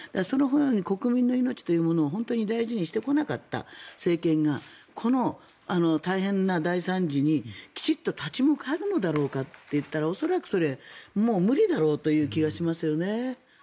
国民の命というものを本当に大事にしてこなかった政権がこの大変な大惨事にきちんと立ち向かえるのだろうかといったら恐らくもう無理だろうという気がしますよね。